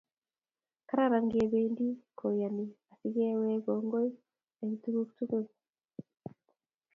Kararan kebendi konyi asikewek kongoi eng tukuk tukul